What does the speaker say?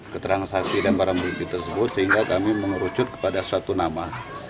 ke transaksi dan barang bubi tersebut sehingga kami mengerucut kepada suatu nama